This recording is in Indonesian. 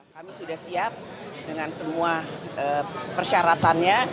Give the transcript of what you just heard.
kami sudah siap dengan semua persyaratannya